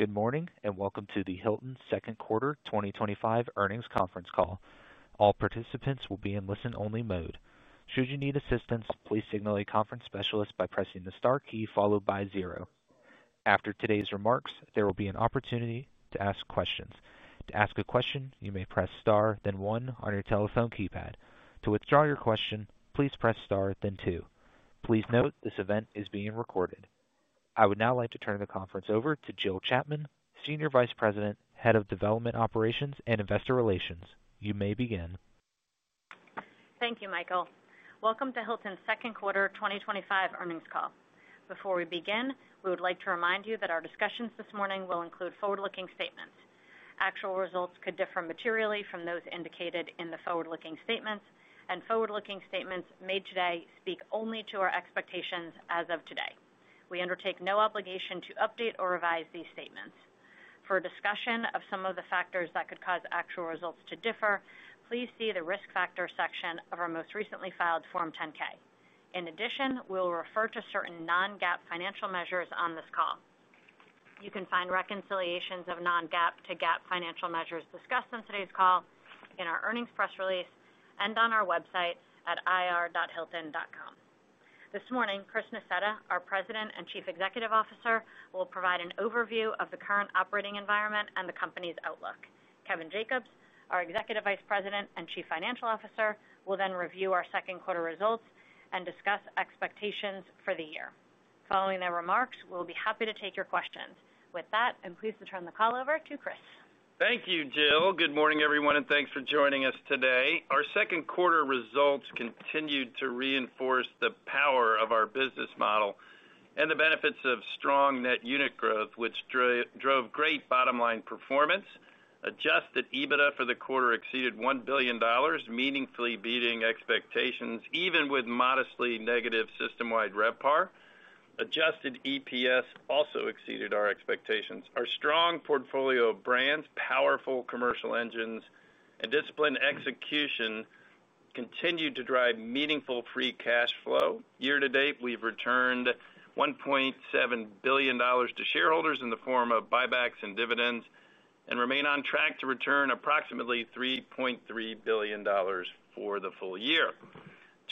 Good morning and welcome to the Hilton second quarter 2025 earnings conference call. All participants will be in listen-only mode. Should you need assistance, please signal a conference specialist by pressing the star key followed by zero. After today's remarks, there will be an opportunity to ask questions. To ask a question, you may press star, then one on your telephone keypad. To withdraw your question, please press star, then two. Please note this event is being recorded. I would now like to turn the conference over to Jill Chapman, Senior Vice President, Head of Development Operations and Investor Relations. You may begin. Thank you, Michael. Welcome to Hilton second quarter 2025 earnings call. Before we begin, we would like to remind you that our discussions this morning will include forward-looking statements. Actual results could differ materially from those indicated in the forward-looking statements, and forward-looking statements made today speak only to our expectations as of today. We undertake no obligation to update or revise these statements. For discussion of some of the factors that could cause actual results to differ, please see the risk factor section of our most recently filed Form 10-K. In addition, we will refer to certain non-GAAP financial measures on this call. You can find reconciliations of non-GAAP to GAAP financial measures discussed in today's call in our earnings press release and on our website at ir.hilton.com. This morning, Chris Nassetta, our President and Chief Executive Officer, will provide an overview of the current operating environment and the company's outlook. Kevin Jacobs, our Executive Vice President and Chief Financial Officer, will then review our second quarter results and discuss expectations for the year. Following their remarks, we'll be happy to take your questions. With that, I'm pleased to turn the call over to Chris. Thank you, Jill. Good morning, everyone, and thanks for joining us today. Our second quarter results continued to reinforce the power of our business model and the benefits of strong net unit growth, which drove great bottom-line performance. Adjusted EBITDA for the quarter exceeded $1 billion, meaningfully beating expectations even with modestly negative system-wide RevPAR. Adjusted EPS also exceeded our expectations. Our strong portfolio of brands, powerful commercial engines, and disciplined execution continued to drive meaningful free cash flow. Year to date, we've returned $1.7 billion to shareholders in the form of buybacks and dividends and remain on track to return approximately $3.3 billion for the full year.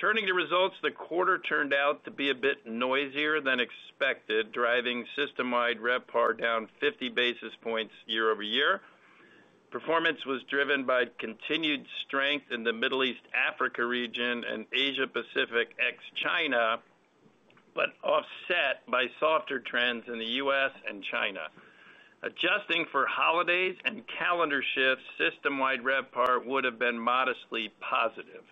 Turning to results, the quarter turned out to be a bit noisier than expected, driving system-wide RevPAR down 50 basis points year-over-year. Performance was driven by continued strength in the Middle East/Africa region and Asia-Pacific ex-China, but offset by softer trends in the U.S. and China. Adjusting for holidays and calendar shifts, system-wide RevPAR would have been modestly positive.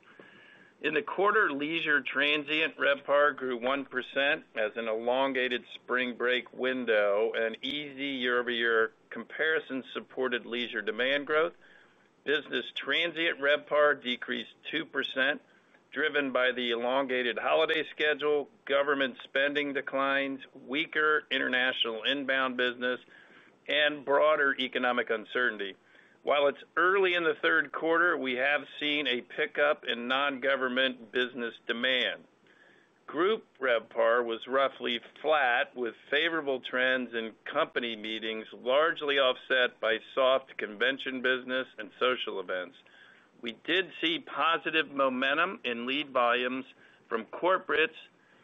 In the quarter, leisure transient RevPAR grew 1% as an elongated spring break window and an easy year-over-year comparison supported leisure demand growth. Business transient RevPAR decreased 2%, driven by the elongated holiday schedule, government spending declines, weaker international inbound business, and broader economic uncertainty. While it's early in the third quarter, we have seen a pickup in non-government business demand. Group RevPAR was roughly flat, with favorable trends in company meetings, largely offset by soft convention business and social events. We did see positive momentum in lead volumes from corporates,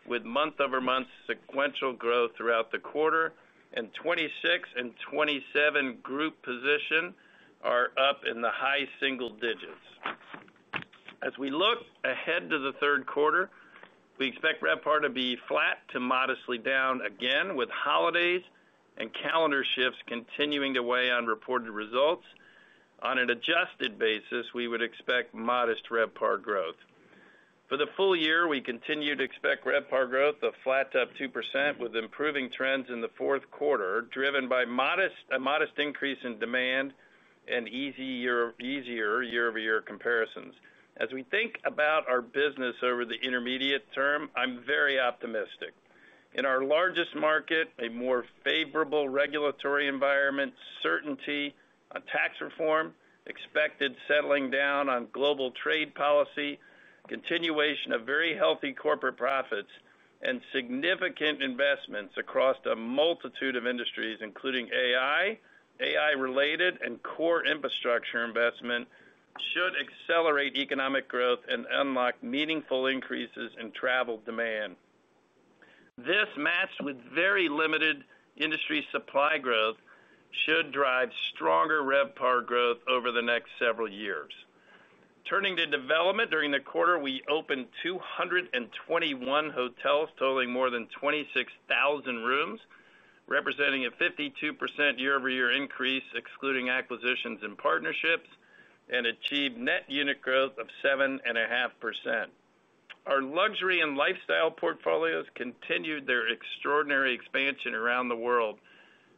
with month-over-month sequential growth throughout the quarter, and 2026 and 2027 group position are up in the high single digits. As we look ahead to the third quarter, we expect RevPAR to be flat to modestly down again, with holidays and calendar shifts continuing to weigh on reported results. On an adjusted basis, we would expect modest RevPAR growth. For the full year, we continue to expect RevPAR growth, flat to up 2%, with improving trends in the fourth quarter, driven by a modest increase in demand and easier year-over-year comparisons. As we think about our business over the intermediate term, I'm very optimistic. In our largest market, a more favorable regulatory environment, certainty on tax reform, expected settling down on global trade policy, continuation of very healthy corporate profits, and significant investments across a multitude of industries, including AI, AI-related, and core infrastructure investment, should accelerate economic growth and unlock meaningful increases in travel demand. This, matched with very limited industry supply growth, should drive stronger RevPAR growth over the next several years. Turning to development, during the quarter, we opened 221 hotels totaling more than 26,000 rooms, representing a 52% year-over-year increase excluding acquisitions and partnerships, and achieved net unit growth of 7.5%. Our luxury and lifestyle portfolios continued their extraordinary expansion around the world.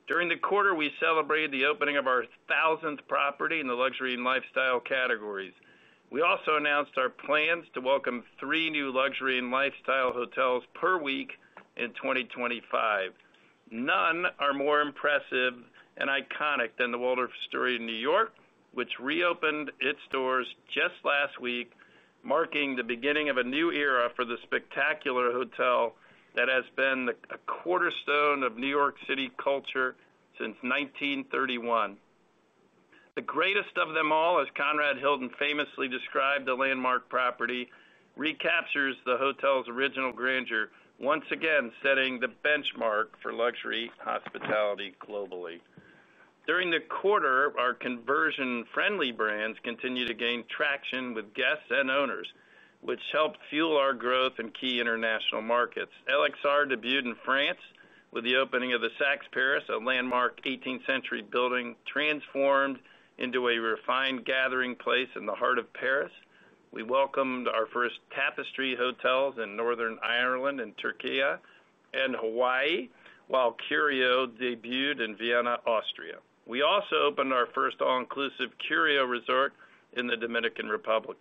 During the quarter, we celebrated the opening of our 1,000th property in the luxury and lifestyle categories. We also announced our plans to welcome three new luxury and lifestyle hotels per week in 2025. None are more impressive and iconic than the Waldorf Astoria in New York, which reopened its doors just last week, marking the beginning of a new era for the spectacular hotel that has been a cornerstone of New York City culture since 1931. The greatest of them all, as Conrad Hilton famously described the landmark property, recaptures the hotel's original grandeur, once again setting the benchmark for luxury hospitality globally. During the quarter, our conversion-friendly brands continued to gain traction with guests and owners, which helped fuel our growth in key international markets. LXR debuted in France with the opening of the SAX Paris, a landmark 18th-century building transformed into a refined gathering place in the heart of Paris. We welcomed our first Tapestry hotels in Northern Ireland and Türkiye and Hawaii, while Curio debuted in Vienna, Austria. We also opened our first all-inclusive Curio resort in the Dominican Republic.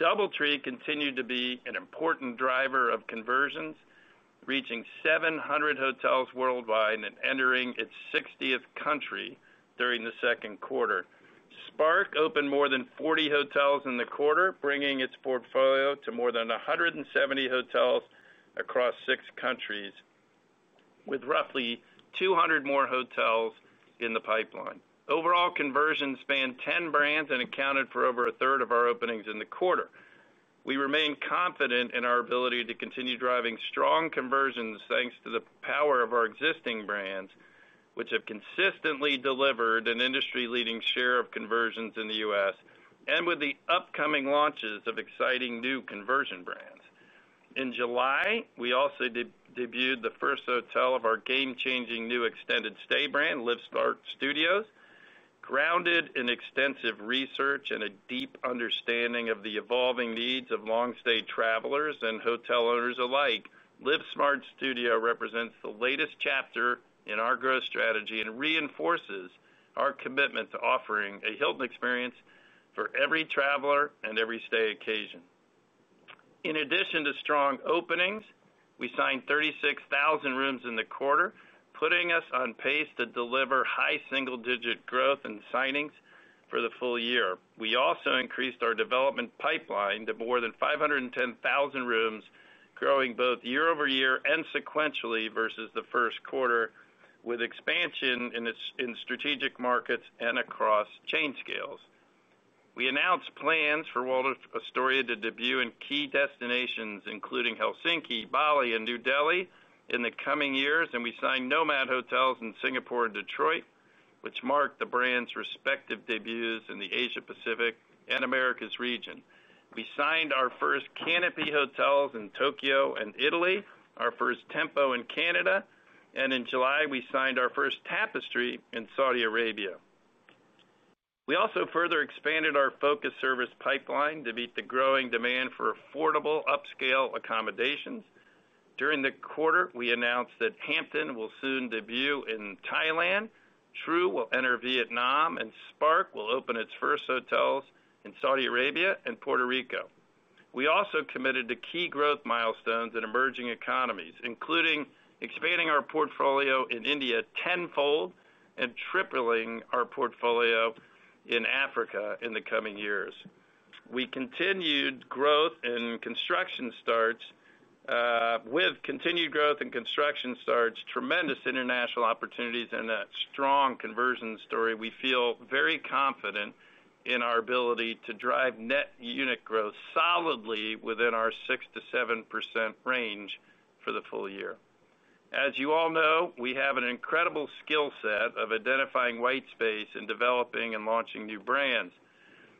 DoubleTree continued to be an important driver of conversions, reaching 700 hotels worldwide and entering its 60th country during the second quarter. Spark opened more than 40 hotels in the quarter, bringing its portfolio to more than 170 hotels across six countries, with roughly 200 more hotels in the pipeline. Overall conversions spanned 10 brands and accounted for over a third of our openings in the quarter. We remain confident in our ability to continue driving strong conversions thanks to the power of our existing brands, which have consistently delivered an industry-leading share of conversions in the U.S., and with the upcoming launches of exciting new conversion brands. In July, we also debuted the first hotel of our game-changing new extended-stay brand, LivSmart Studios. Grounded in extensive research and a deep understanding of the evolving needs of long-stay travelers and hotel owners alike, LivSmart Studios represents the latest chapter in our growth strategy and reinforces our commitment to offering a Hilton experience for every traveler and every stay occasion. In addition to strong openings, we signed 36,000 rooms in the quarter, putting us on pace to deliver high single-digit growth in signings for the full year. We also increased our development pipeline to more than 510,000 rooms, growing both year-over-year and sequentially versus the first quarter, with expansion in strategic markets and across chain scales. We announced plans for Waldorf Astoria to debut in key destinations, including Helsinki, Bali, and New Delhi, in the coming years, and we signed Nomad Hotels in Singapore and Detroit, which marked the brand's respective debuts in the Asia-Pacific and Americas region. We signed our first Canopy hotels in Tokyo and Italy, our first Tempo in Canada, and in July, we signed our first Tapestry in Saudi Arabia. We also further expanded our focus service pipeline to meet the growing demand for affordable upscale accommodations. During the quarter, we announced that Hampton will soon debut in Thailand, Tru will enter Vietnam, and Spark will open its first hotels in Saudi Arabia and Puerto Rico. We also committed to key growth milestones in emerging economies, including expanding our portfolio in India tenfold and tripling our portfolio in Africa in the coming years. We continued growth in construction starts. With continued growth in construction starts, tremendous international opportunities, and a strong conversion story, we feel very confident in our ability to drive net unit growth solidly within our 6%-7% range for the full year. As you all know, we have an incredible skill set of identifying white space in developing and launching new brands.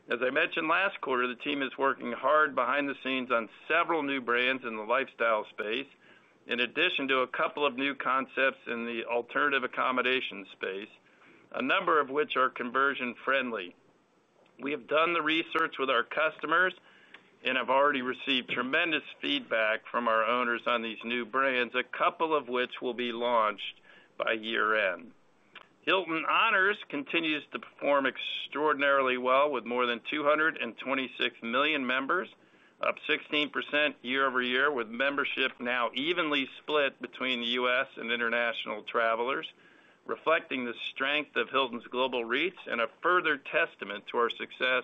As I mentioned last quarter, the team is working hard behind the scenes on several new brands in the lifestyle space, in addition to a couple of new concepts in the alternative accommodation space, a number of which are conversion-friendly. We have done the research with our customers and have already received tremendous feedback from our owners on these new brands, a couple of which will be launched by year-end. Hilton Honors continues to perform extraordinarily well, with more than 226 million members, up 16% year-over-year, with membership now evenly split between the U.S. and international travelers, reflecting the strength of Hilton's global reach and a further testament to our success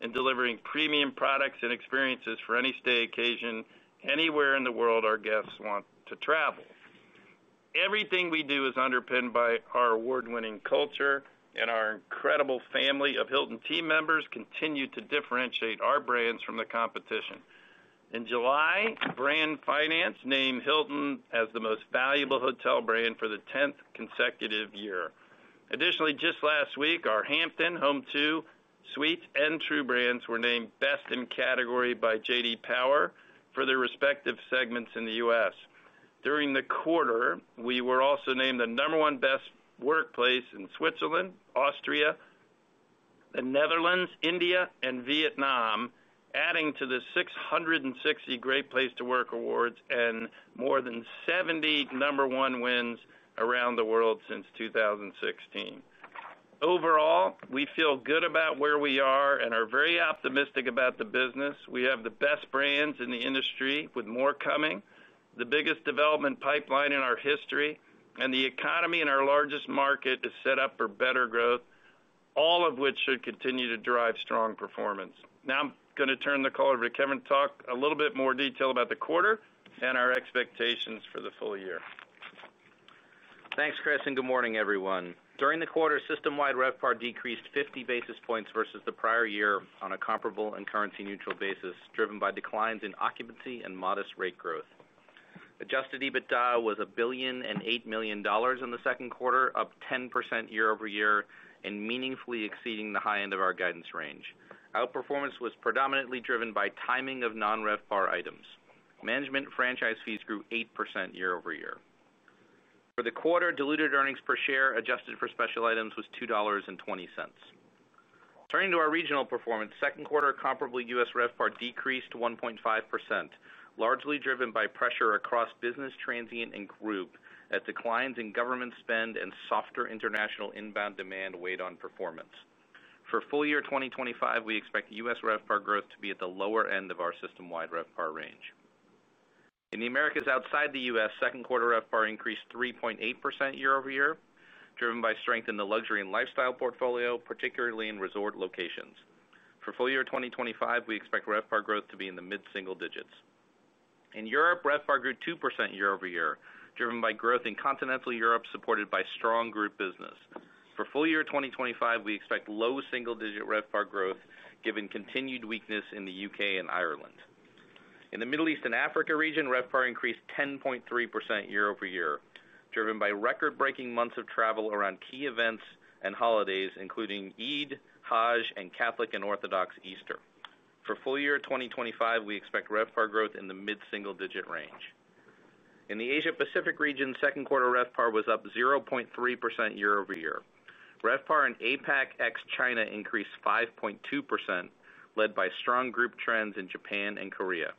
in delivering premium products and experiences for any stay occasion anywhere in the world our guests want to travel. Everything we do is underpinned by our award-winning culture, and our incredible family of Hilton team members continue to differentiate our brands from the competition. In July, Brand Finance named Hilton as the most valuable hotel brand for the 10th consecutive year. Additionally, just last week, our Hampton, Home2 Suites, and Tru brands were named Best in Category by J.D. Power for their respective segments in the U.S. During the quarter, we were also named the number one best workplace in Switzerland, Austria, the Netherlands, India, and Vietnam, adding to the 660 Great Place to Work awards and more than 70 number one wins around the world since 2016. Overall, we feel good about where we are and are very optimistic about the business. We have the best brands in the industry, with more coming. The biggest development pipeline in our history and the economy in our largest market is set up for better growth, all of which should continue to drive strong performance. Now I'm going to turn the call over to Kevin to talk a little bit more detail about the quarter and our expectations for the full year. Thanks, Chris, and good morning, everyone. During the quarter, system-wide RevPAR decreased 50 basis points versus the prior year on a comparable and currency-neutral basis, driven by declines in occupancy and modest rate growth. Adjusted EBITDA was $1,008,000,000 in the second quarter, up 10% year-over-year and meaningfully exceeding the high end of our guidance range. Outperformance was predominantly driven by timing of non-RevPAR items. Management franchise fees grew 8% year-over-year. For the quarter, diluted earnings per share adjusted for special items was $2.20. Turning to our regional performance, second quarter comparable U.S. RevPAR decreased 1.5%, largely driven by pressure across business, transient, and group as declines in government spend and softer international inbound demand weighed on performance. For full year 2025, we expect U.S. RevPAR growth to be at the lower end of our system-wide RevPAR range. In the Americas outside the U.S., second quarter RevPAR increased 3.8% year-over-year, driven by strength in the luxury and lifestyle portfolio, particularly in resort locations. For full year 2025, we expect RevPAR growth to be in the mid-single digits. In Europe, RevPAR grew 2% year-over-year, driven by growth in continental Europe supported by strong group business. For full year 2025, we expect low single-digit RevPAR growth, given continued weakness in the U.K. and Ireland. In the Middle East and Africa region, RevPAR increased 10.3% year-over-year, driven by record-breaking months of travel around key events and holidays, including Eid, Hajj, and Catholic and Orthodox Easter. For full year 2025, we expect RevPAR growth in the mid-single digit range. In the Asia-Pacific region, second quarter RevPAR was up 0.3% year-over-year. RevPAR in APAC ex-China increased 5.2%, led by strong group trends in Japan and Korea.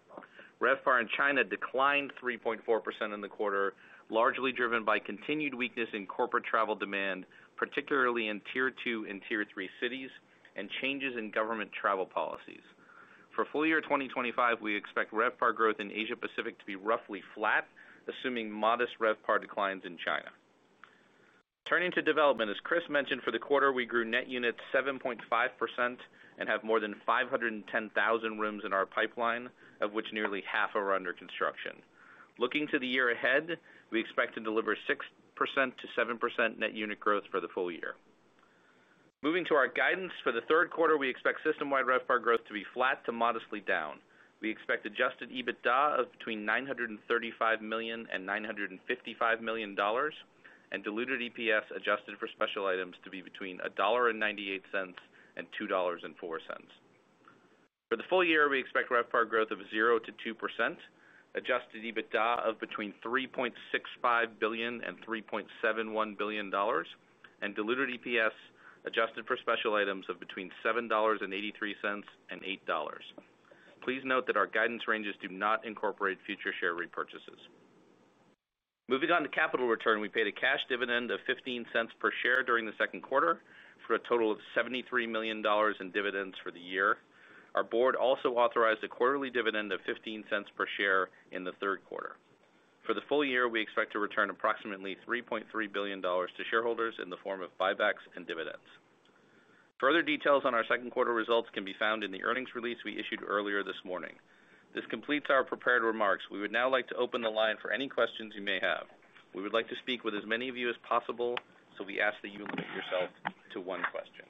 RevPAR in China declined 3.4% in the quarter, largely driven by continued weakness in corporate travel demand, particularly in Tier 2 and Tier 3 cities, and changes in government travel policies. For full year 2025, we expect RevPAR growth in Asia-Pacific to be roughly flat, assuming modest RevPAR declines in China. Turning to development, as Chris mentioned, for the quarter, we grew net units 7.5% and have more than 510,000 rooms in our pipeline, of which nearly half are under construction. Looking to the year ahead, we expect to deliver 6%-7% net unit growth for the full year. Moving to our guidance, for the third quarter, we expect system-wide RevPAR growth to be flat to modestly down. We expect adjusted EBITDA of between $935 million and $955 million. We expect diluted EPS adjusted for special items to be between $1.98 and $2.04. For the full year, we expect RevPAR growth of 0%-2%, adjusted EBITDA of between $3.65 billion and $3.71 billion, and diluted EPS adjusted for special items of between $7.83 and $8.00. Please note that our guidance ranges do not incorporate future share repurchases. Moving on to capital return, we paid a cash dividend of $0.15 per share during the second quarter for a total of $73 million in dividends for the year. Our board also authorized a quarterly dividend of $0.15 per share in the third quarter. For the full year, we expect to return approximately $3.3 billion to shareholders in the form of buybacks and dividends. Further details on our second quarter results can be found in the earnings release we issued earlier this morning. This completes our prepared remarks. We would now like to open the line for any questions you may have. We would like to speak with as many of you as possible, so we ask that you limit yourself to one question.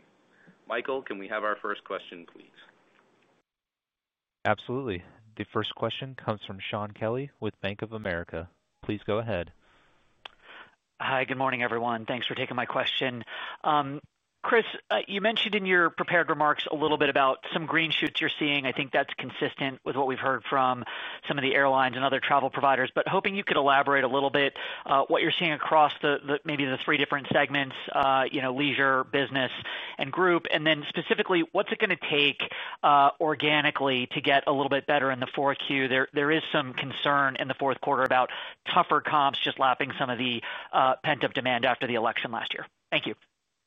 Michael, can we have our first question, please? Absolutely. The first question comes from Shaun Kelley with Bank of America. Please go ahead. Hi, good morning, everyone. Thanks for taking my question. Chris, you mentioned in your prepared remarks a little bit about some green shoots you're seeing. I think that's consistent with what we've heard from some of the airlines and other travel providers, but hoping you could elaborate a little bit on what you're seeing across maybe the three different segments: leisure, business, and group. Then specifically, what's it going to take organically to get a little bit better in the 4Q? There is some concern in the fourth quarter about tougher comps just lapping some of the pent-up demand after the election last year. Thank you.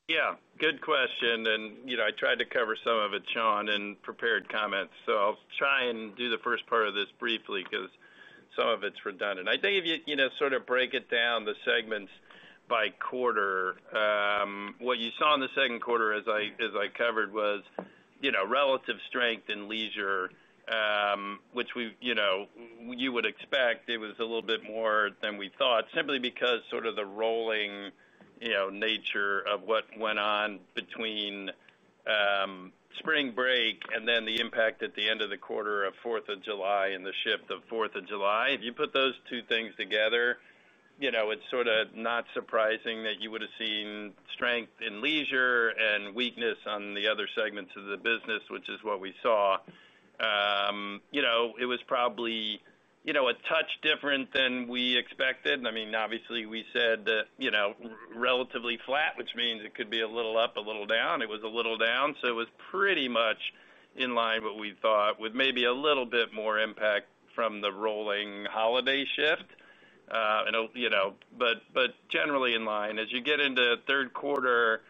Yeah, good question. I tried to cover some of it, Sean, in prepared comments, so I'll try and do the first part of this briefly because some of it's redundant. I think if you sort of break it down, the segments by quarter, what you saw in the second quarter, as I covered, was relative strength in leisure, which you would expect. It was a little bit more than we thought, simply because sort of the rolling nature of what went on between spring break and then the impact at the end of the quarter of 4th of July and the shift of 4th of July. If you put those two things together, it's sort of not surprising that you would have seen strength in leisure and weakness on the other segments of the business, which is what we saw. It was probably a touch different than we expected. I mean, obviously, we said relatively flat, which means it could be a little up, a little down. It was a little down, so it was pretty much in line with what we thought, with maybe a little bit more impact from the rolling holiday shift, but generally in line. As you get into third quarter,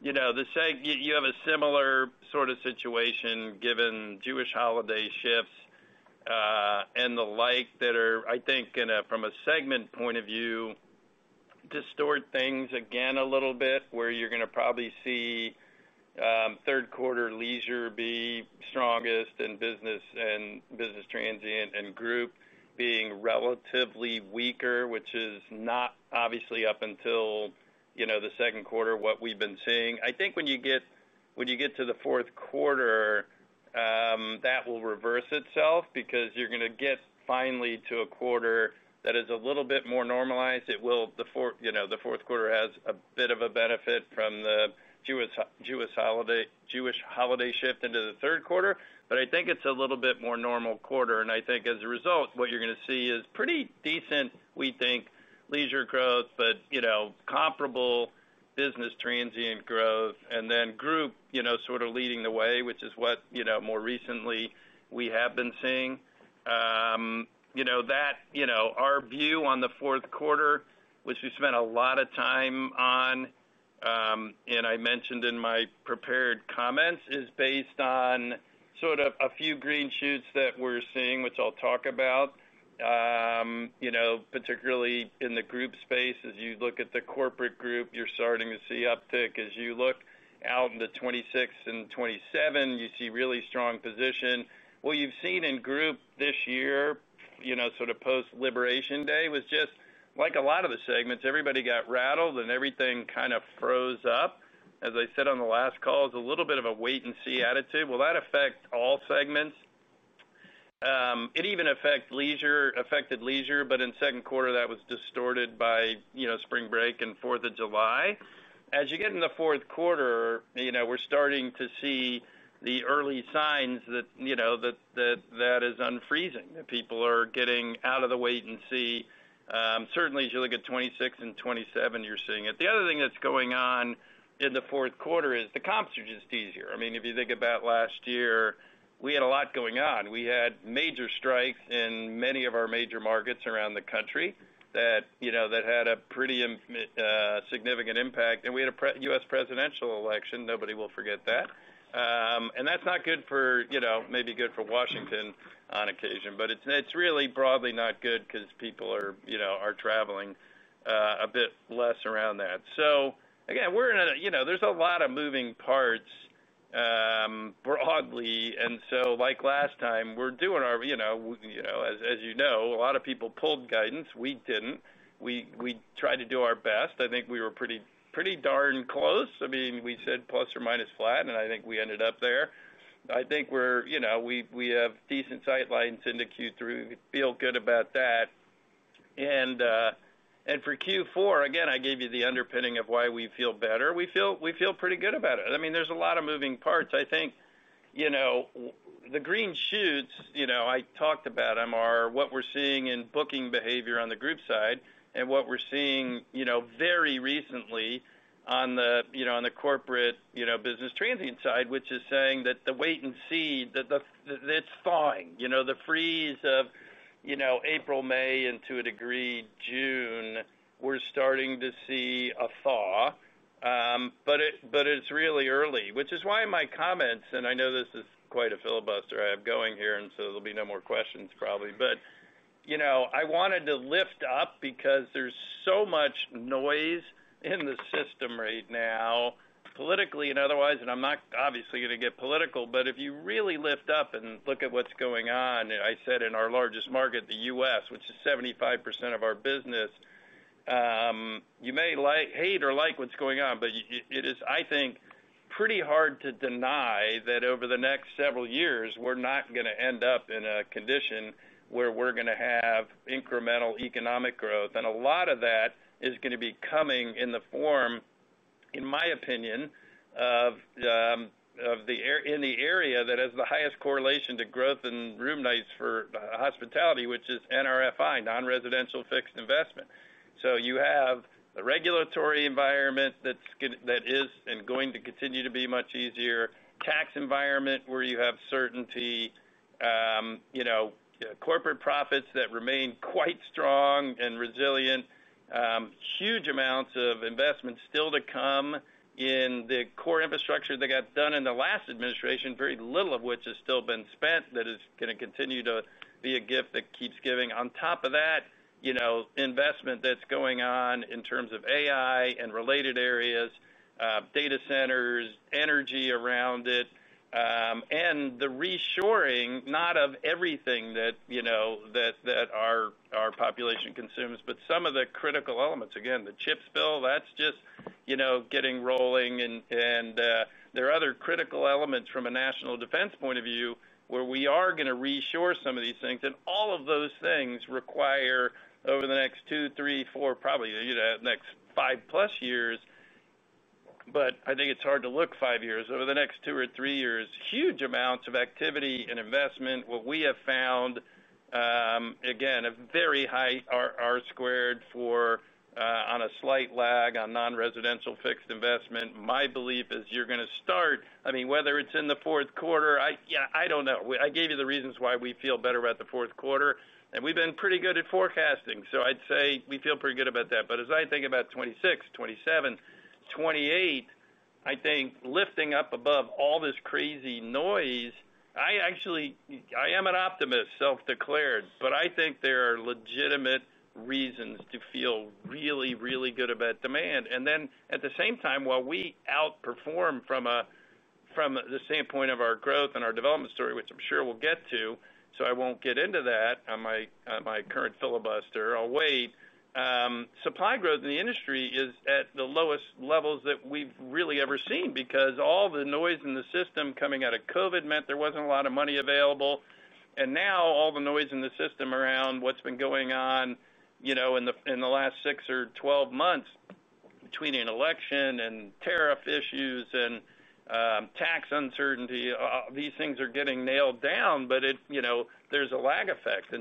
you have a similar sort of situation given Jewish holiday shifts and the like that are, I think, from a segment point of view, distort things again a little bit, where you're going to probably see third quarter leisure be strongest and business transient and group being relatively weaker, which is not obviously up until the second quarter what we've been seeing. I think when you get to the fourth quarter, that will reverse itself because you're going to get finally to a quarter that is a little bit more normalized. The fourth quarter has a bit of a benefit from the Jewish holiday shift into the third quarter, but I think it's a little bit more normal quarter. I think as a result, what you're going to see is pretty decent, we think, leisure growth, but comparable business transient growth, and then group sort of leading the way, which is what more recently we have been seeing. That, our view on the fourth quarter, which we spent a lot of time on, and I mentioned in my prepared comments, is based on sort of a few green shoots that we're seeing, which I'll talk about, particularly in the group space. As you look at the corporate group, you're starting to see uptick. As you look out in the 2026 and 2027, you see really strong position. What you've seen in group this year, sort of post-liberation day, was just like a lot of the segments. Everybody got rattled and everything kind of froze up. As I said on the last call, it's a little bit of a wait-and-see attitude. That affects all segments. It even affected leisure, but in second quarter, that was distorted by spring break and 4th of July. As you get into the fourth quarter, we're starting to see the early signs that that is unfreezing, that people are getting out of the wait-and-see. Certainly, as you look at 2026 and 2027, you're seeing it. The other thing that's going on in the fourth quarter is the comps are just easier. I mean, if you think about last year, we had a lot going on. We had major strikes in many of our major markets around the country that had a pretty significant impact. And we had a U.S. presidential election. Nobody will forget that. And that's not good for, maybe good for Washington on occasion, but it's really broadly not good because people are traveling a bit less around that. Again, we're in a, there's a lot of moving parts broadly. Like last time, we're doing our, as you know, a lot of people pulled guidance. We didn't. We tried to do our best. I think we were pretty darn close. I mean, we said plus or minus flat, and I think we ended up there. I think we have decent sight lines into Q3. We feel good about that. For Q4, again, I gave you the underpinning of why we feel better. We feel pretty good about it. I mean, there's a lot of moving parts. I think the green shoots, I talked about them, are what we're seeing in booking behavior on the group side and what we're seeing very recently on the corporate business transient side, which is saying that the wait-and-see, that it's thawing. The freeze of April, May, and to a degree June, we're starting to see a thaw. It's really early, which is why my comments, and I know this is quite a filibuster I have going here, and there'll be no more questions probably, but I wanted to lift up because there's so much noise in the system right now. Politically and otherwise, and I'm not obviously going to get political, but if you really lift up and look at what's going on, I said in our largest market, the U.S., which is 75% of our business. You may hate or like what's going on, but it is, I think, pretty hard to deny that over the next several years, we're not going to end up in a condition where we're going to have incremental economic growth. A lot of that is going to be coming in the form, in my opinion, of the area that has the highest correlation to growth in room nights for hospitality, which is NRFI, non-residential fixed investment. You have a regulatory environment that is and going to continue to be much easier, tax environment where you have certainty, corporate profits that remain quite strong and resilient. Huge amounts of investment still to come in the core infrastructure that got done in the last administration, very little of which has still been spent. That is going to continue to be a gift that keeps giving. On top of that, investment that's going on in terms of AI and related areas, data centers, energy around it. And the reshoring, not of everything that our population consumes, but some of the critical elements. Again, the CHIPS bill, that's just getting rolling. There are other critical elements from a national defense point of view where we are going to reshore some of these things. All of those things require, over the next two, three, four, probably the next five-plus years, but I think it's hard to look five years, over the next two or three years, huge amounts of activity and investment. What we have found, again, a very high R-squared for, on a slight lag on non-residential fixed investment. My belief is you're going to start, I mean, whether it's in the fourth quarter, I don't know. I gave you the reasons why we feel better about the fourth quarter. We've been pretty good at forecasting, so I'd say we feel pretty good about that. As I think about 2026, 2027, 2028, I think lifting up above all this crazy noise, I actually, I am an optimist, self-declared, but I think there are legitimate reasons to feel really, really good about demand. At the same time, while we outperform from the standpoint of our growth and our development story, which I'm sure we'll get to, so I won't get into that on my current filibuster, I'll wait. Supply growth in the industry is at the lowest levels that we've really ever seen because all the noise in the system coming out of COVID meant there wasn't a lot of money available. Now all the noise in the system around what's been going on in the last six or 12 months between an election and tariff issues and tax uncertainty, these things are getting nailed down, but there's a lag effect.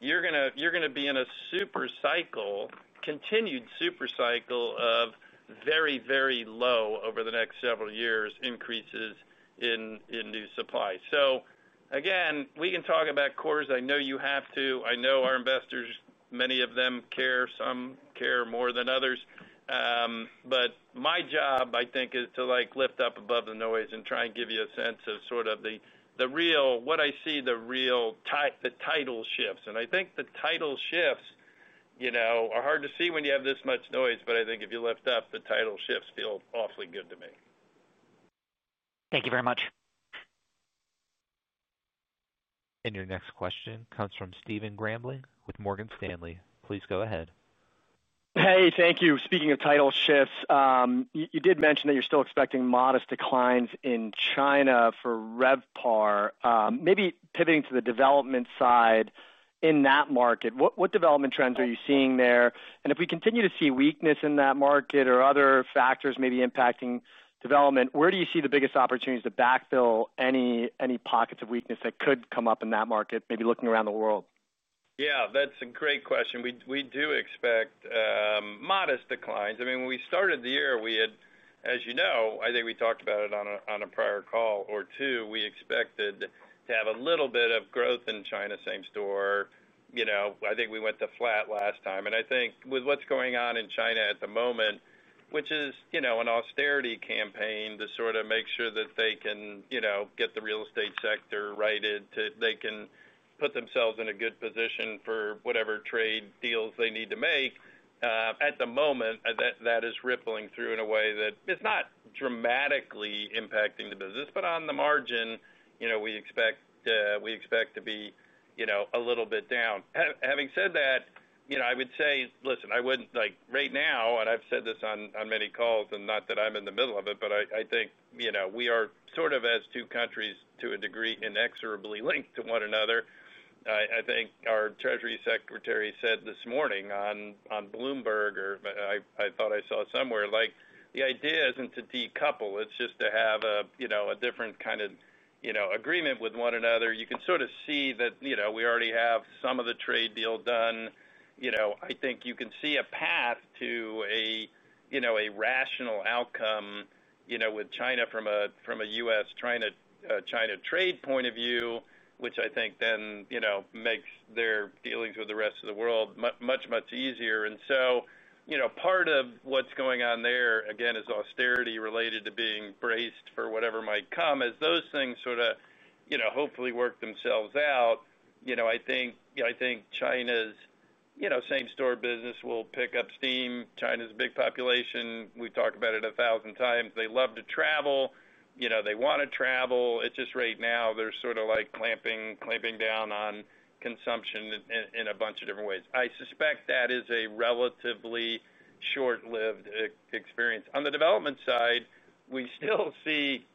You're going to be in a super cycle, continued super cycle of very, very low over the next several years increases in new supply. Again, we can talk about cores. I know you have to. I know our investors, many of them care, some care more than others. My job, I think, is to lift up above the noise and try and give you a sense of sort of the real, what I see, the real title shifts. I think the title shifts are hard to see when you have this much noise, but I think if you lift up, the title shifts feel awfully good to me. Thank you very much. Your next question comes from Stephen Grambling with Morgan Stanley. Please go ahead. Hey, thank you. Speaking of title shifts, you did mention that you're still expecting modest declines in China for RevPAR. Maybe pivoting to the development side in that market, what development trends are you seeing there? If we continue to see weakness in that market or other factors maybe impacting development, where do you see the biggest opportunities to backfill any pockets of weakness that could come up in that market, maybe looking around the world? Yeah, that's a great question. We do expect modest declines. I mean, when we started the year, we had, as you know, I think we talked about it on a prior call or two, we expected to have a little bit of growth in China, same store. I think we went to flat last time. I think with what's going on in China at the moment, which is an austerity campaign to sort of make sure that they can get the real estate sector righted, they can put themselves in a good position for whatever trade deals they need to make. At the moment, that is rippling through in a way that is not dramatically impacting the business, but on the margin, we expect to be a little bit down. Having said that, I would say, listen, I wouldn't like right now, and I've said this on many calls, and not that I'm in the middle of it, but I think we are sort of as two countries to a degree inexorably linked to one another. I think our Treasury Secretary said this morning on Bloomberg, or I thought I saw somewhere, like the idea isn't to decouple, it's just to have a different kind of agreement with one another. You can sort of see that we already have some of the trade deal done. I think you can see a path to a rational outcome with China from a U.S.-China trade point of view, which I think then makes their dealings with the rest of the world much, much easier. Part of what's going on there, again, is austerity related to being braced for whatever might come. As those things sort of hopefully work themselves out, I think China's same-store business will pick up steam. China's big population, we've talked about it a thousand times. They love to travel. They want to travel. It's just right now, they're sort of like clamping down on consumption in a bunch of different ways. I suspect that is a relatively short-lived experience. On the development side, we still see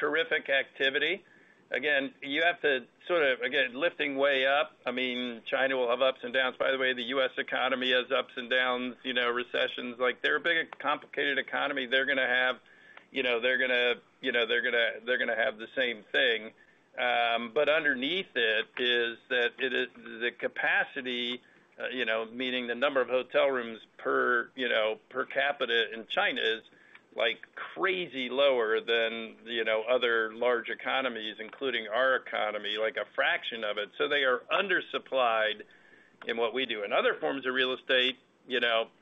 terrific activity. Again, you have to sort of, again, lifting way up. I mean, China will have ups and downs. By the way, the U.S. economy has ups and downs, recessions. Like they're a big complicated economy. They're going to have, they're going to have the same thing. Underneath it is that the capacity, meaning the number of hotel rooms per capita in China is like crazy lower than other large economies, including our economy, like a fraction of it. They are undersupplied in what we do. In other forms of real estate,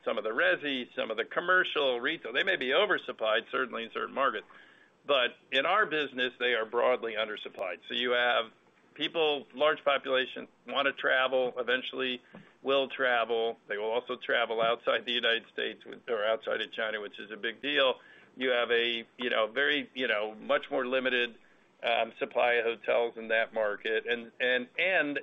some of the resi, some of the commercial, retail, they may be oversupplied, certainly in certain markets. In our business, they are broadly undersupplied. You have people, large population, want to travel, eventually will travel. They will also travel outside the United States or outside of China, which is a big deal. You have a very much more limited supply of hotels in that market.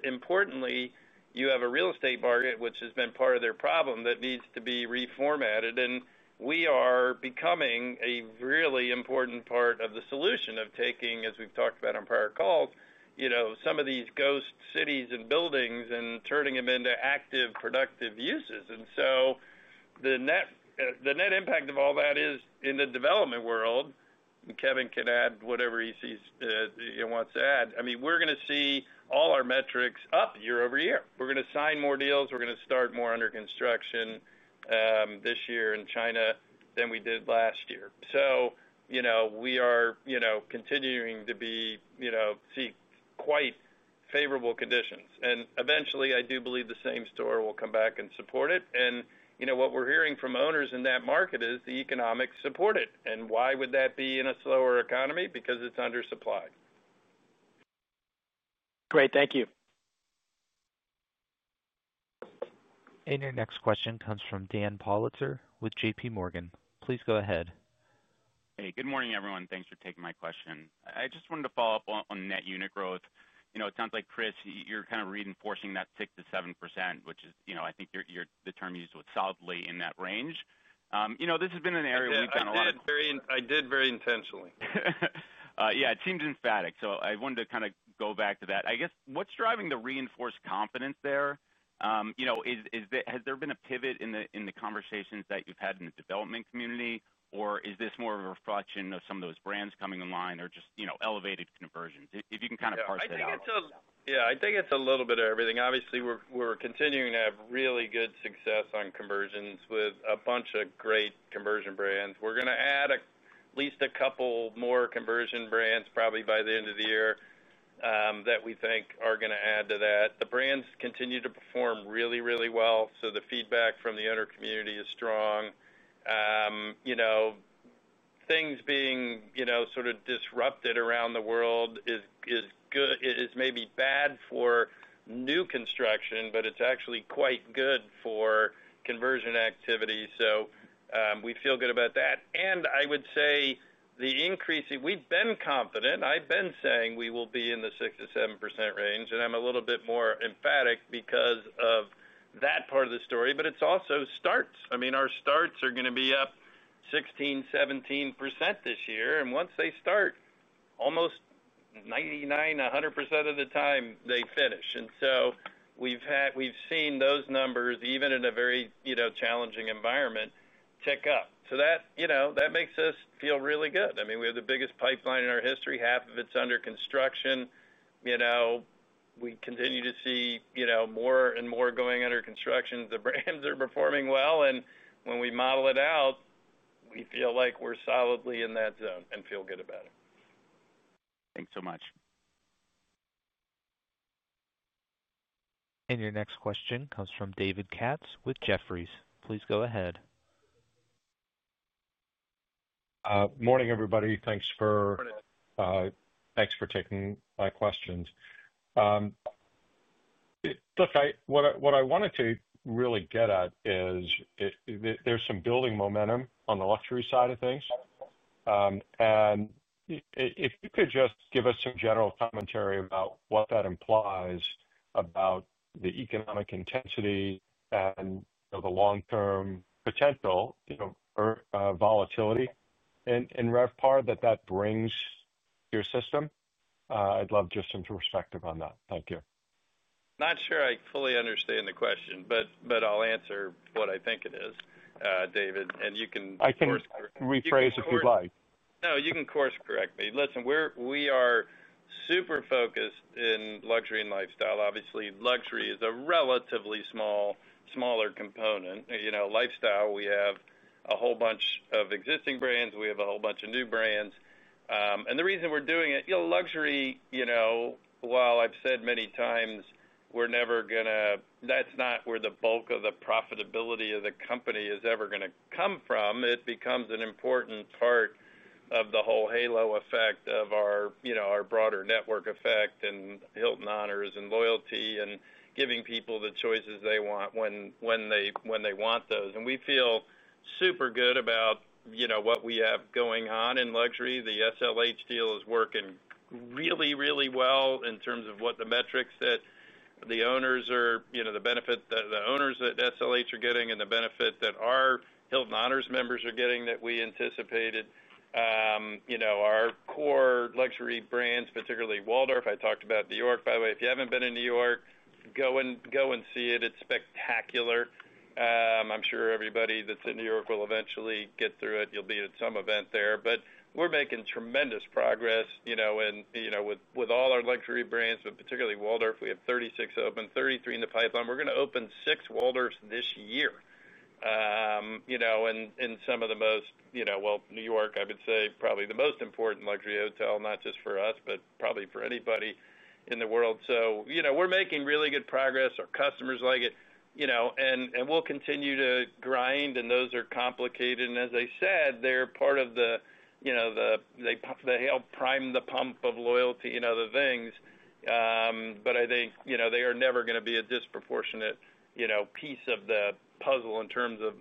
Importantly, you have a real estate market, which has been part of their problem, that needs to be reformatted. We are becoming a really important part of the solution of taking, as we've talked about on prior calls, some of these ghost cities and buildings and turning them into active, productive uses. The net impact of all that is in the development world. Kevin can add whatever he sees and wants to add. I mean, we're going to see all our metrics up year-over-year. We're going to sign more deals. We're going to start more under construction this year in China than we did last year. We are continuing to see quite favorable conditions. Eventually, I do believe the same store will come back and support it. What we're hearing from owners in that market is the economics support it. Why would that be in a slower economy? Because it's undersupplied. Great. Thank you. Your next question comes from Dan Politzer with JPMorgan. Please go ahead. Hey, good morning, everyone. Thanks for taking my question. I just wanted to follow up on net unit growth. It sounds like, Chris, you're kind of reinforcing that 6%-7%, which is, I think the term used was solidly in that range. This has been an area we've done a lot of. I did very intentionally. Yeah, it seems emphatic. I wanted to kind of go back to that. I guess what's driving the reinforced confidence there? Has there been a pivot in the conversations that you've had in the development community, or is this more of a reflection of some of those brands coming online or just elevated conversions? If you can kind of parse that out. Yeah, I think it's a little bit of everything. Obviously, we're continuing to have really good success on conversions with a bunch of great conversion brands. We're going to add at least a couple more conversion brands probably by the end of the year that we think are going to add to that. The brands continue to perform really, really well, so the feedback from the owner community is strong. Things being sort of disrupted around the world is maybe bad for new construction, but it's actually quite good for conversion activity. We feel good about that. I would say the increasing, we've been confident. I've been saying we will be in the 6%-7% range, and I'm a little bit more emphatic because of that part of the story, but it's also starts. I mean, our starts are going to be up 16%, 17% this year. Once they start, almost 99%-100% of the time they finish. We've seen those numbers, even in a very challenging environment, tick up. That makes us feel really good. I mean, we have the biggest pipeline in our history. Half of it's under construction. We continue to see more and more going under construction. The brands are performing well. When we model it out, we feel like we're solidly in that zone and feel good about it. Thanks so much. Your next question comes from David Katz with Jefferies. Please go ahead. Morning, everybody. Thanks for taking my questions. Look, what I wanted to really get at is there's some building momentum on the luxury side of things. If you could just give us some general commentary about what that implies about the economic intensity and the long-term potential, volatility in RevPAR that that brings to your system. I'd love just some perspective on that. Thank you. Not sure I fully understand the question, but I'll answer what I think it is, David. You can of course. I can rephrase if you'd like. No, you can of course correct me. Listen, we are super focused in luxury and lifestyle. Obviously, luxury is a relatively small, smaller component. Lifestyle, we have a whole bunch of existing brands. We have a whole bunch of new brands. And the reason we're doing it, luxury, while I've said many times, we're never going to, that's not where the bulk of the profitability of the company is ever going to come from. It becomes an important part of the whole halo effect of our broader network effect and Hilton Honors and loyalty and giving people the choices they want when they want those. And we feel super good about what we have going on in luxury. The SLH deal is working really, really well in terms of what the metrics that the owners are, the benefit that the owners at SLH are getting and the benefit that our Hilton Honors members are getting that we anticipated. Our core luxury brands, particularly Waldorf, I talked about New York, by the way. If you haven't been in New York, go and see it. It's spectacular. I'm sure everybody that's in New York will eventually get through it. You'll be at some event there. We are making tremendous progress with all our luxury brands, but particularly Waldorf. We have 36 open, 33 in the pipeline. We're going to open six Waldorfs this year. In some of the most, well, New York, I would say probably the most important luxury hotel, not just for us, but probably for anybody in the world. We are making really good progress. Our customers like it. We will continue to grind, and those are complicated. As I said, they are part of the, they help prime the pump of loyalty and other things. I think they are never going to be a disproportionate piece of the puzzle in terms of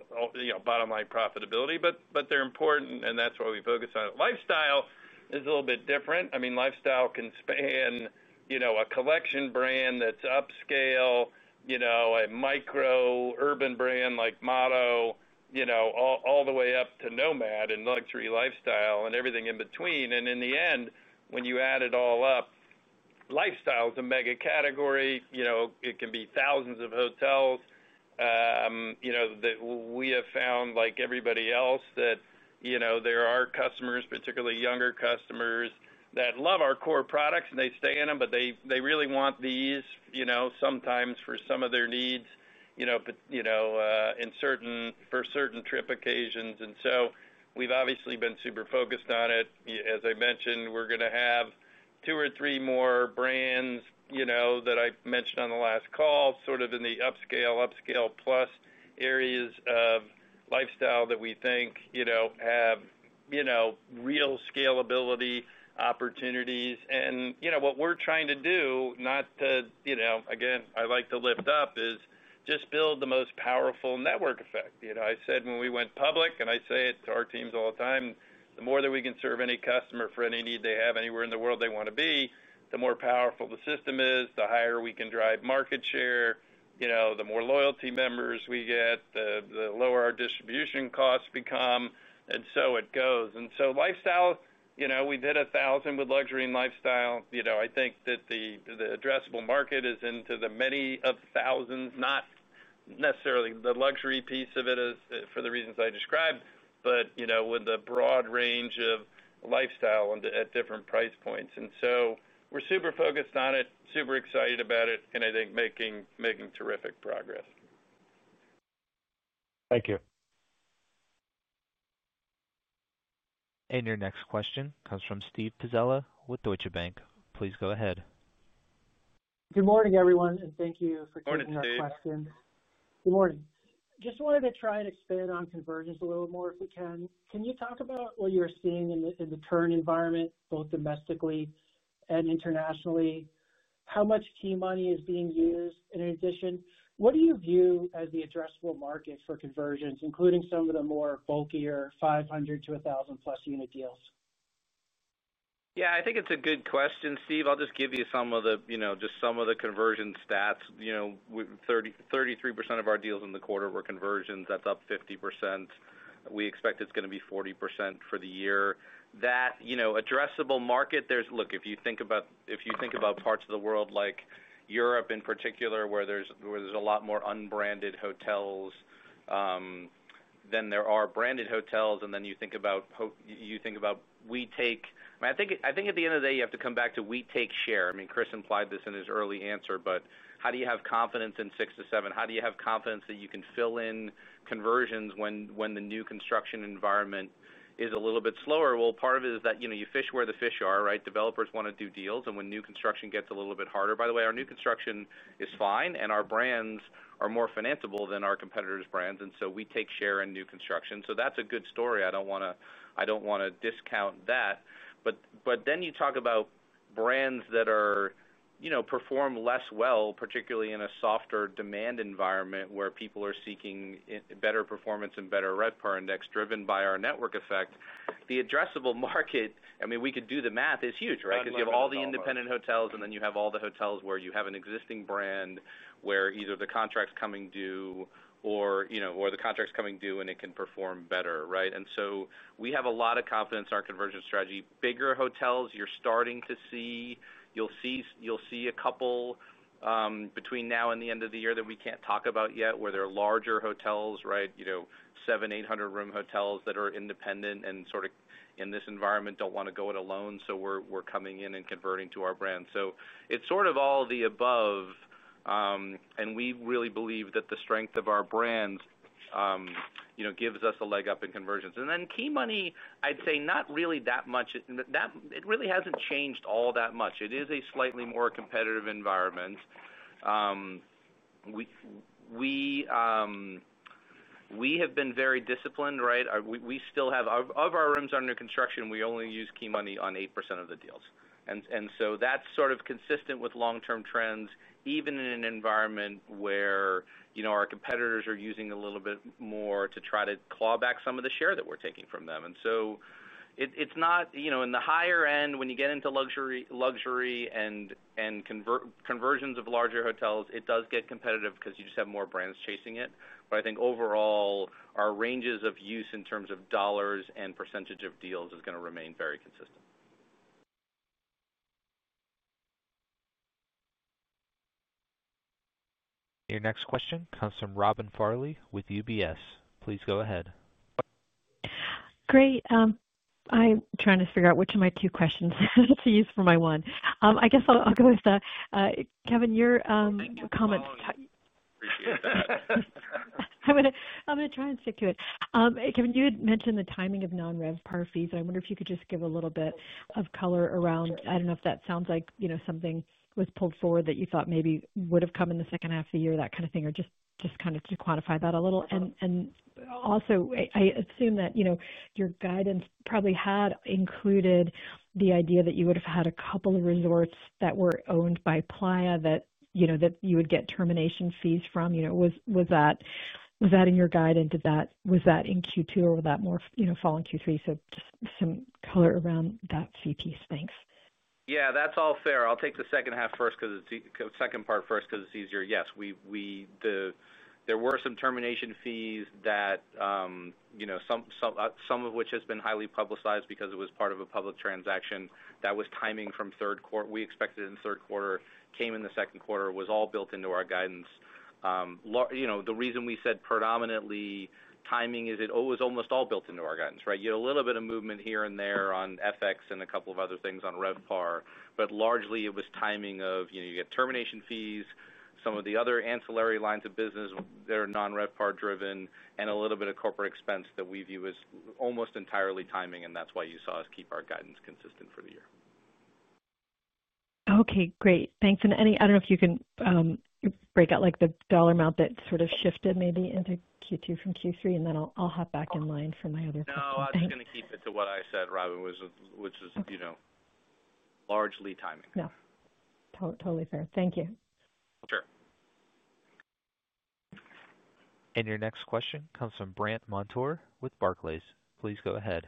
bottom line profitability. They are important, and that's why we focus on it. Lifestyle is a little bit different. I mean, lifestyle can span a collection brand that's upscale, a micro urban brand like Motto, all the way up to Nomad and luxury lifestyle and everything in between. In the end, when you add it all up, lifestyle is a mega category. It can be thousands of hotels. We have found like everybody else that there are customers, particularly younger customers, that love our core products and they stay in them, but they really want these sometimes for some of their needs in certain trip occasions. We have obviously been super focused on it. As I mentioned, we're going to have two or three more brands that I mentioned on the last call, sort of in the upscale, upscale plus areas of lifestyle that we think have real scalability opportunities. What we're trying to do, not to, again, I like to lift up, is just build the most powerful network effect. I said when we went public, and I say it to our teams all the time, the more that we can serve any customer for any need they have anywhere in the world they want to be, the more powerful the system is, the higher we can drive market share, the more loyalty members we get, the lower our distribution costs become, and so it goes. Lifestyle, we did a thousand with luxury and lifestyle. I think that the addressable market is into the many of thousands, not necessarily the luxury piece of it for the reasons I described, but with the broad range of lifestyle at different price points. We are super focused on it, super excited about it, and I think making terrific progress. Thank you. Your next question comes from Steve Pizzella with Deutsche Bank. Please go ahead. Good morning, everyone, and thank you for taking this question. Good morning. Just wanted to try and expand on conversions a little more if we can. Can you talk about what you're seeing in the current environment, both domestically and internationally? How much key money is being used? In addition, what do you view as the addressable market for conversions, including some of the more bulkier 500-1,000-plus unit deals? Yeah, I think it's a good question, Steve. I'll just give you some of the, just some of the conversion stats. 33% of our deals in the quarter were conversions. That's up 50%. We expect it's going to be 40% for the year. That addressable market, there's, look, if you think about parts of the world like Europe in particular, where there's a lot more unbranded hotels than there are branded hotels. And then you think about, we take, I mean, I think at the end of the day, you have to come back to we take share. I mean, Chris implied this in his early answer, but how do you have confidence in six to seven? How do you have confidence that you can fill in conversions when the new construction environment is a little bit slower? Part of it is that you fish where the fish are, right? Developers want to do deals. When new construction gets a little bit harder, by the way, our new construction is fine, and our brands are more financeable than our competitors' brands. We take share in new construction. That's a good story. I don't want to discount that. Then you talk about brands that perform less well, particularly in a softer demand environment where people are seeking better performance and better RevPAR index driven by our network effect. The addressable market, I mean, we could do the math, is huge, right? Because you have all the independent hotels, and then you have all the hotels where you have an existing brand where either the contract's coming due, or the contract's coming due, and it can perform better, right? We have a lot of confidence in our conversion strategy. Bigger hotels, you're starting to see, you'll see a couple between now and the end of the year that we can't talk about yet, where there are larger hotels, right? 700, 800-room hotels that are independent and sort of in this environment don't want to go it alone. We're coming in and converting to our brand. It's sort of all the above. We really believe that the strength of our brands gives us a leg up in conversions. Then key money, I'd say not really that much. It really hasn't changed all that much. It is a slightly more competitive environment. We have been very disciplined, right? We still have, of our rooms under construction, we only use key money on 8% of the deals. That's sort of consistent with long-term trends, even in an environment where our competitors are using a little bit more to try to claw back some of the share that we're taking from them. It's not in the higher end when you get into luxury and conversions of larger hotels, it does get competitive because you just have more brands chasing it. I think overall, our ranges of use in terms of dollars and percentage of deals is going to remain very consistent. Your next question comes from Robin Farley with UBS. Please go ahead. Great. I'm trying to figure out which of my two questions to use for my one. I guess I'll go with that. Kevin, your comments. I'm going to try and stick to it. Kevin, you had mentioned the timing of non-RevPAR fees, and I wonder if you could just give a little bit of color around, I don't know if that sounds like something was pulled forward that you thought maybe would have come in the second half of the year, that kind of thing, or just kind of to quantify that a little. Also, I assume that your guidance probably had included the idea that you would have had a couple of resorts that were owned by Playa that you would get termination fees from. Was that in your guidance? Was that in Q2, or would that fall in Q3? Just some color around that fee piece. Thanks. Yeah, that's all fair. I'll take the second part first because it's easier. Yes. There were some termination fees that, some of which have been highly publicized because it was part of a public transaction. That was timing from third quarter. We expected it in the third quarter, came in the second quarter, was all built into our guidance. The reason we said predominantly timing is it was almost all built into our guidance, right? You had a little bit of movement here and there on FX and a couple of other things on RevPAR, but largely it was timing of you get termination fees, some of the other ancillary lines of business that are non-RevPAR driven, and a little bit of corporate expense that we view as almost entirely timing, and that's why you saw us keep our guidance consistent for the year. Okay, great. Thanks. I do not know if you can break out the dollar amount that sort of shifted maybe into Q2 from Q3, and then I'll hop back in line for my other questions. No, I was going to keep it to what I said, Robin, which is largely timing. No. Totally fair. Thank you. Sure. Your next question comes from Brandt Montour with Barclays. Please go ahead.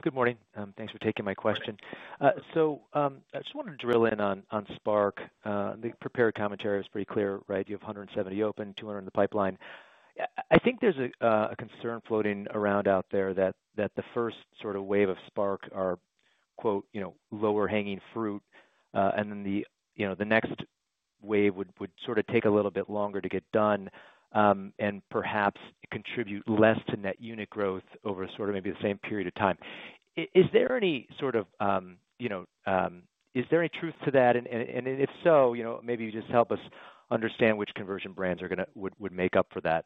Good morning. Thanks for taking my question. I just wanted to drill in on Spark. The prepared commentary was pretty clear, right? You have 170 open, 200 in the pipeline. I think there's a concern floating around out there that the first sort of wave of Spark are, quote, lower hanging fruit, and then the next wave would sort of take a little bit longer to get done. Perhaps contribute less to net unit growth over sort of maybe the same period of time. Is there any sort of, is there any truth to that? If so, maybe you just help us understand which conversion brands would make up for that.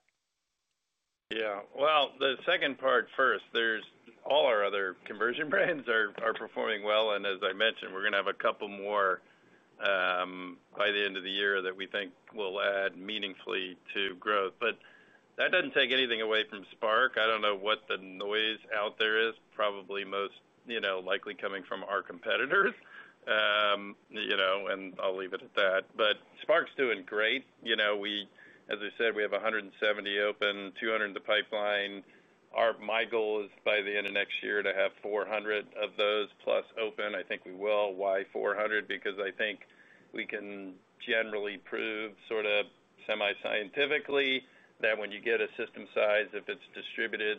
Yeah. The second part first, all our other conversion brands are performing well. As I mentioned, we're going to have a couple more by the end of the year that we think will add meaningfully to growth. That does not take anything away from Spark. I do not know what the noise out there is, probably most likely coming from our competitors. I'll leave it at that. Spark's doing great. As I said, we have 170 open, 200 in the pipeline. My goal is by the end of next year to have 400 of those plus open. I think we will. Why 400? Because I think we can generally prove sort of semi-scientifically that when you get a system size, if it's distributed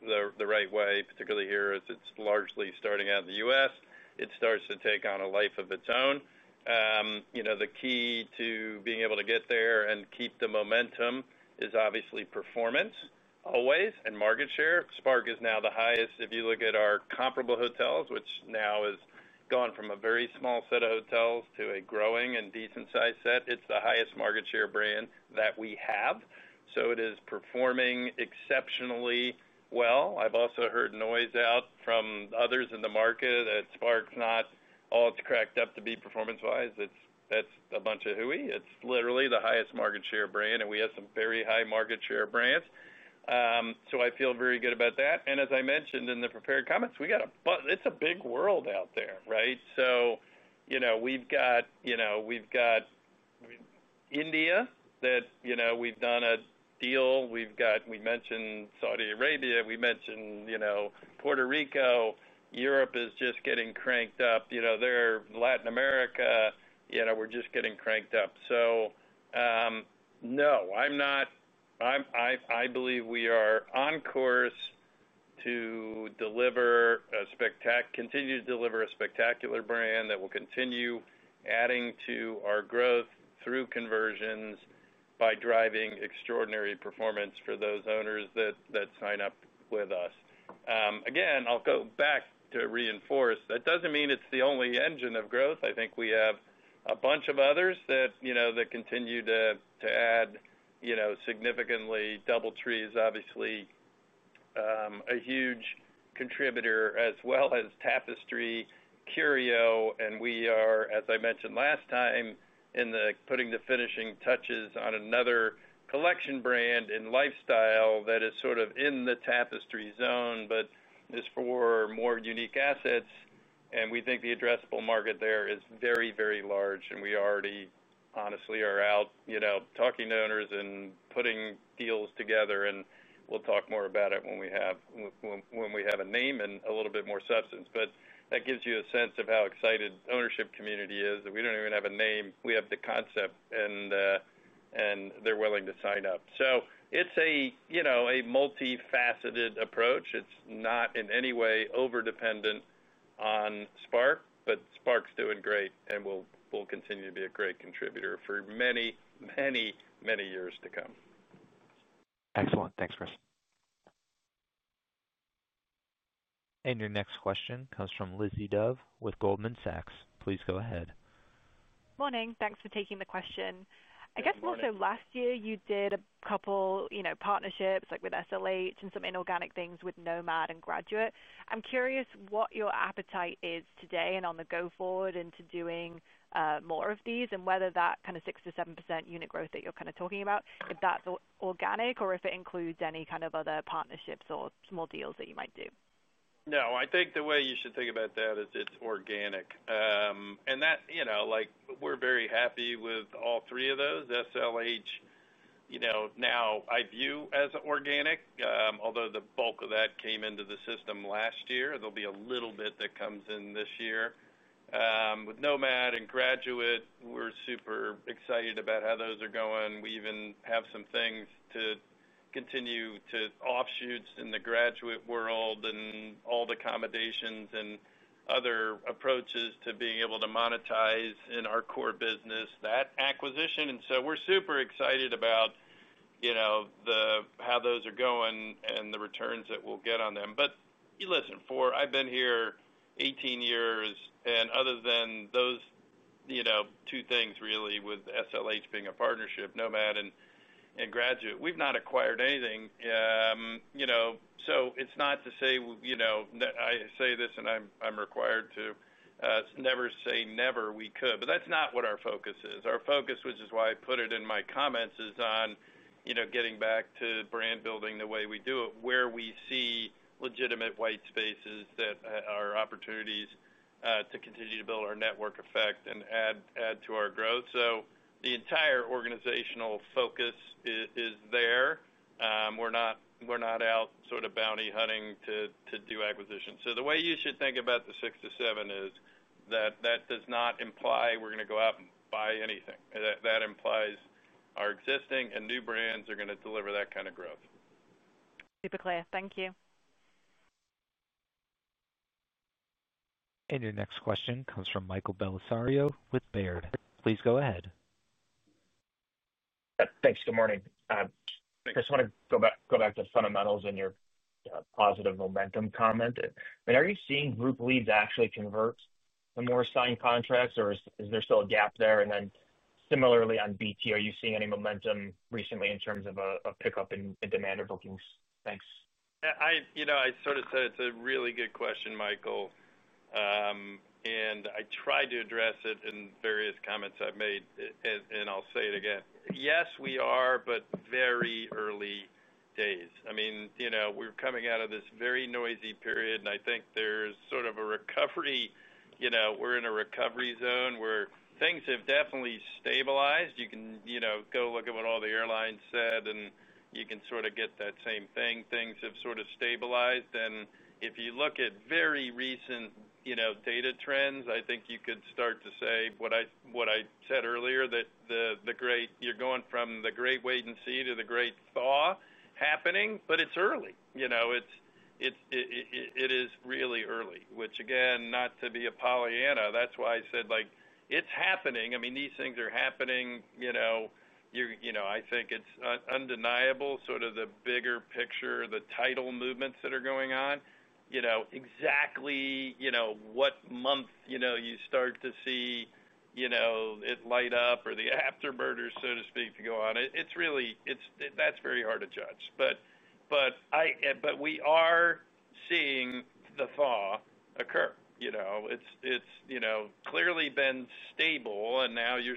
the right way, particularly here as it's largely starting out in the U.S., it starts to take on a life of its own. The key to being able to get there and keep the momentum is obviously performance always and market share. Spark is now the highest. If you look at our comparable hotels, which now has gone from a very small set of hotels to a growing and decent-sized set, it's the highest market share brand that we have. It is performing exceptionally well. I've also heard noise out from others in the market that Spark's not all it's cracked up to be performance-wise. That's a bunch of hooey. It's literally the highest market share brand, and we have some very high market share brands. I feel very good about that. As I mentioned in the prepared comments, it's a big world out there, right? We've got India that we've done a deal. We mentioned Saudi Arabia. We mentioned Puerto Rico. Europe is just getting cranked up. Latin America, we're just getting cranked up. No, I'm not. I believe we are on course to continue to deliver a spectacular brand that will continue adding to our growth through conversions by driving extraordinary performance for those owners that sign up with us. Again, I'll go back to reinforce. That does not mean it's the only engine of growth. I think we have a bunch of others that continue to add significantly. DoubleTree is obviously a huge contributor as well as Tapestry, Curio, and we are, as I mentioned last time, putting the finishing touches on another collection brand in lifestyle that is sort of in the Tapestry zone, but is for more unique assets. We think the addressable market there is very, very large, and we already honestly are out talking to owners and putting deals together, and we'll talk more about it when we have a name and a little bit more substance. That gives you a sense of how excited the ownership community is that we do not even have a name. We have the concept, and they're willing to sign up. It's a multifaceted approach. It's not in any way overdependent on Spark, but Spark's doing great, and we'll continue to be a great contributor for many, many, many years to come. Excellent. Thanks, Chris. Your next question comes from Lizzie Dove with Goldman Sachs. Please go ahead. Morning. Thanks for taking the question. I guess we'll say last year you did a couple partnerships with SLH and some inorganic things with Nomad and Graduate. I'm curious what your appetite is today and on the go-forward into doing more of these and whether that kind of 6%-7% unit growth that you're kind of talking about, if that's organic or if it includes any kind of other partnerships or small deals that you might do. No, I think the way you should think about that is it's organic. We're very happy with all three of those. SLH now I view as organic, although the bulk of that came into the system last year. There will be a little bit that comes in this year. With Nomad and Graduate, we're super excited about how those are going. We even have some things to continue to offshoots in the Graduate world and all the accommodations and other approaches to being able to monetize in our core business, that acquisition. We're super excited about how those are going and the returns that we'll get on them. I've been here 18 years, and other than those two things really with SLH being a partnership, Nomad and Graduate, we've not acquired anything. It's not to say—I say this and I'm required to—never say never, we could, but that's not what our focus is. Our focus, which is why I put it in my comments, is on getting back to brand building the way we do it, where we see legitimate white spaces that are opportunities to continue to build our network effect and add to our growth. The entire organizational focus is there. We're not out sort of bounty hunting to do acquisitions. The way you should think about the six to seven is that that does not imply we're going to go out and buy anything. That implies our existing and new brands are going to deliver that kind of growth. Typically. Thank you. Your next question comes from Michael Bellisario with Baird. Please go ahead. Thanks. Good morning. I just want to go back to fundamentals and your positive momentum comment. I mean, are you seeing group leads actually convert to more signed contracts, or is there still a gap there? And then similarly on BT, are you seeing any momentum recently in terms of a pickup in demand or bookings? Thanks. I sort of said it's a really good question, Michael. I tried to address it in various comments I've made. I'll say it again. Yes, we are, but very early days. I mean, we're coming out of this very noisy period, and I think there's sort of a recovery. We're in a recovery zone where things have definitely stabilized. You can go look at what all the airlines said, and you can sort of get that same thing. Things have sort of stabilized. If you look at very recent data trends, I think you could start to say what I said earlier, that you're going from the great wait and see to the great thaw happening, but it's early. It is really early, which again, not to be a Pollyanna, that's why I said it's happening. I mean, these things are happening. I think it's undeniable, sort of the bigger picture, the tidal movements that are going on. Exactly what month you start to see it light up or the afterburners, so to speak, to go on, that's very hard to judge. We are seeing the thaw occur. It's clearly been stable, and now you're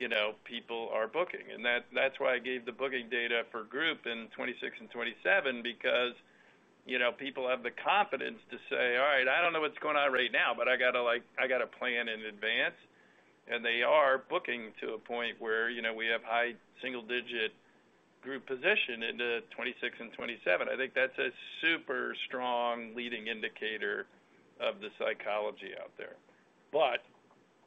starting to see pockets and segments where people are booking. That's why I gave the booking data for group in 2026 and 2027, because people have the confidence to say, "All right, I don't know what's going on right now, but I got to plan in advance." They are booking to a point where we have high single-digit group position in 2026 and 2027. I think that's a super strong leading indicator of the psychology out there.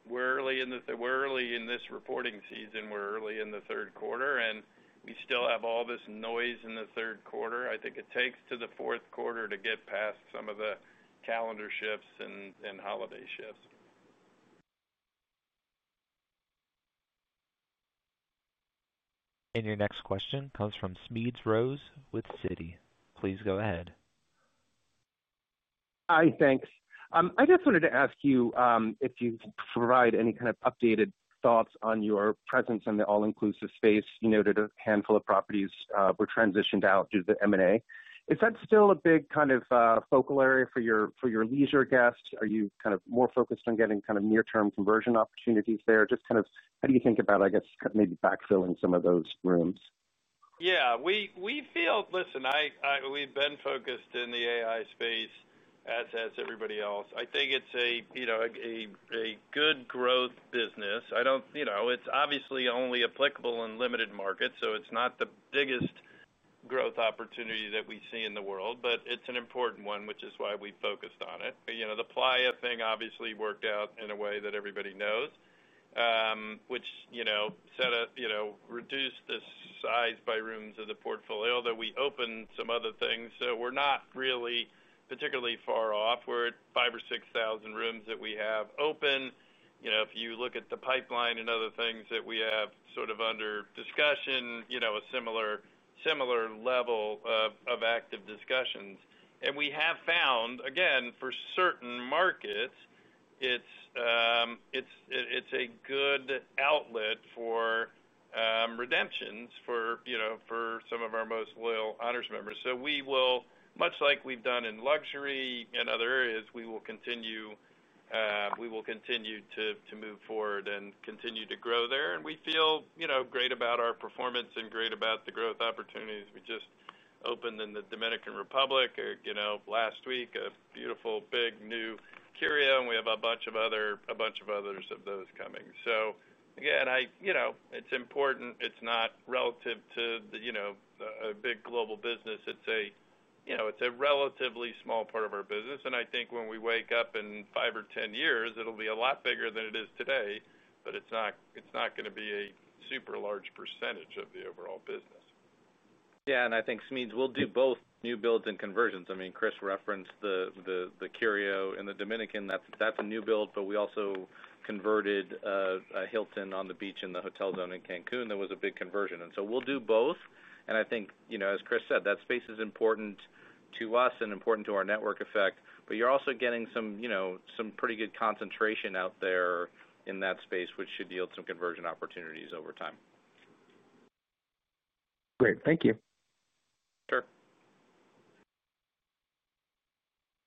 We're early in this reporting season. We're early in the third quarter, and we still have all this noise in the third quarter. I think it takes to the fourth quarter to get past some of the calendar shifts and holiday shifts. Your next question comes from Smedes Rose with Citi. Please go ahead. Hi, thanks. I just wanted to ask you if you could provide any kind of updated thoughts on your presence in the all-inclusive space. You noted a handful of properties were transitioned out due to the M&A. Is that still a big kind of focal area for your leisure guests? Are you kind of more focused on getting kind of near-term conversion opportunities there? Just kind of how do you think about, I guess, maybe backfilling some of those rooms? Yeah. Listen, we've been focused in the AI space as everybody else. I think it's a good growth business. It's obviously only applicable in limited markets, so it's not the biggest growth opportunity that we see in the world, but it's an important one, which is why we focused on it. The Playa thing obviously worked out in a way that everybody knows, which reduced the size by rooms of the portfolio, although we opened some other things. We're not really particularly far off. We're at 5,000 or 6,000 rooms that we have open. If you look at the pipeline and other things that we have sort of under discussion, a similar level of active discussions. We have found, again, for certain markets, it's a good outlet for redemptions for some of our most loyal Honors members. Much like we've done in luxury and other areas, we will continue to move forward and continue to grow there. We feel great about our performance and great about the growth opportunities. We just opened in the Dominican Republic last week, a beautiful, big new Curio, and we have a bunch of others of those coming. Again, it's important. It's not relative to a big global business. It's a relatively small part of our business. I think when we wake up in five or 10 years, it'll be a lot bigger than it is today, but it's not going to be a super large percentage of the overall business. Yeah. I think Smedes will do both new builds and conversions. I mean, Chris referenced the Curio and the Dominican. That's a new build, but we also converted a Hilton on the beach in the hotel zone in Cancun. There was a big conversion. We will do both. I think, as Chris said, that space is important to us and important to our network effect, but you're also getting some pretty good concentration out there in that space, which should yield some conversion opportunities over time. Great. Thank you. Sure.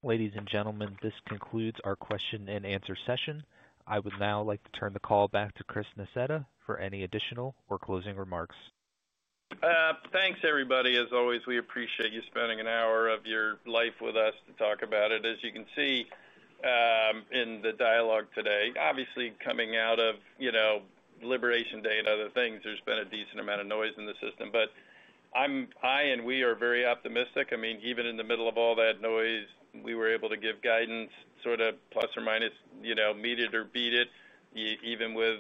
Ladies and gentlemen, this concludes our Q&A session. I would now like to turn the call back to Chris Nassetta for any additional or closing remarks. Thanks, everybody. As always, we appreciate you spending an hour of your life with us to talk about it. As you can see, in the dialogue today, obviously coming out of Liberation Day and other things, there's been a decent amount of noise in the system, but I and we are very optimistic. I mean, even in the middle of all that noise, we were able to give guidance, sort of plus or minus, meet it or beat it. Even with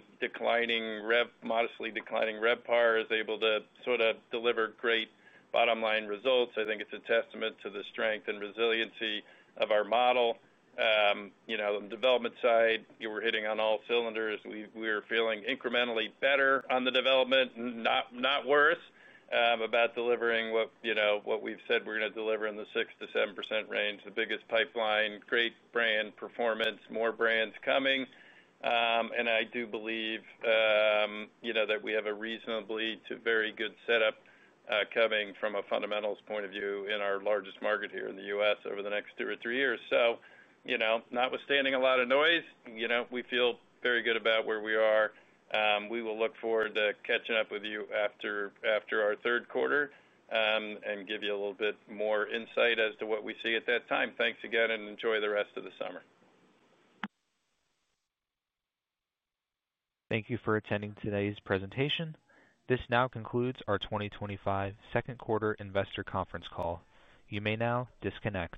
modestly declining RevPAR, is able to sort of deliver great bottom-line results. I think it's a testament to the strength and resiliency of our model. On the development side, we're hitting on all cylinders. We are feeling incrementally better on the development, not worse, about delivering what we've said we're going to deliver in the 6%-7% range. The biggest pipeline, great brand performance, more brands coming. I do believe that we have a reasonably very good setup coming from a fundamentals point of view in our largest market here in the U.S. over the next two or three years. Notwithstanding a lot of noise, we feel very good about where we are. We will look forward to catching up with you after our third quarter and give you a little bit more insight as to what we see at that time. Thanks again, and enjoy the rest of the summer. Thank you for attending today's presentation. This now concludes our 2025 second quarter investor conference call. You may now disconnect.